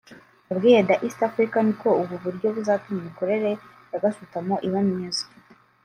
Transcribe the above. yabwiye The East African ko ubu buryo buzatuma imikorere ya gasutamo iba myiza